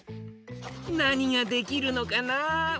なにができるのかな？